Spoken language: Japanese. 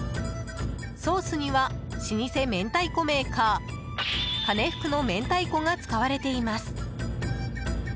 ソースには老舗明太子メーカー、かねふくの明太子が使われています。